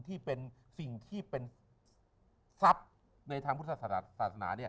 ที่เป็นสิ่งที่เป็นทรัพย์ในทางพุทธศาสนา